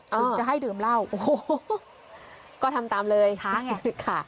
ถึงจะให้ดื่มเหล้าโอ้โหก็ทำตามเลยค่ะ